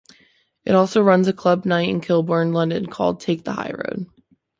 It also runs a club night in Kilburn, London called "Take the High Road".